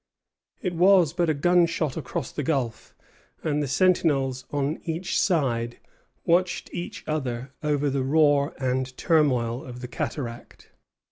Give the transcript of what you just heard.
It was but a gunshot across the gulf, and the sentinels on each side watched each other over the roar and turmoil of the cataract.